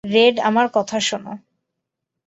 Red আমার কথা শোন।